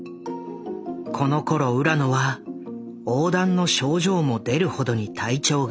このころ浦野はおうだんの症状も出るほどに体調が悪化。